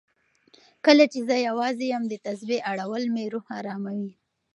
کله چې زه یوازې یم، د تسبېح اړول مې روح اراموي.